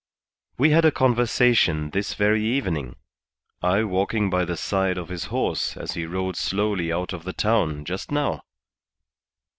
We had a conversation this very evening, I walking by the side of his horse as he rode slowly out of the town just now.